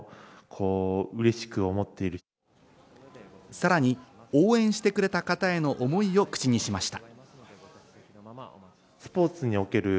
さらに応援してくれた方への思いを口にしました。